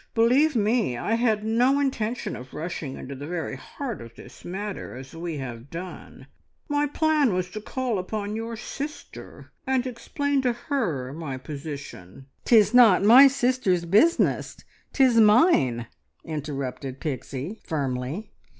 Believe me, I had no intention of rushing into the very heart of this matter as we have done. My plan was to call upon your sister and explain to her my position " "'Tis not my sister's business, 'tis mine," interrupted Pixie firmly.